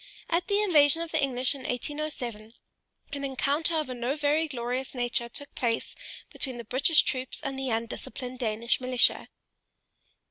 At the invasion of the English in 1807, an encounter of a no very glorious nature took place between the British troops and the undisciplined Danish militia.